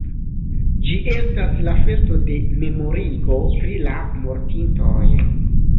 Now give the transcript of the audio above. Ĝi estas la festo de memorigo pri la mortintoj.